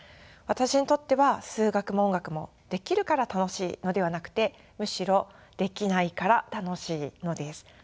私にとっては数学も音楽もできるから楽しいのではなくてむしろできないから楽しいのです。